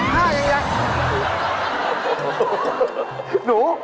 หน้ายังไง